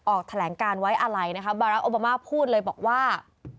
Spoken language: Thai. ออกแถลงการไว้อะไรนะคะบาราโอบามาพูดเลยบอกว่า